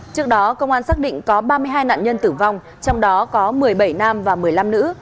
trước đó công an xác định có ba mươi hai nạn nhân tử vong trong đó có một mươi bảy nam và một mươi năm nữ